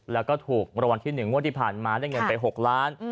แล้วก็ถูกรวรรณที่๑วัทธิภาพมาได้เงินไป๖ล้าน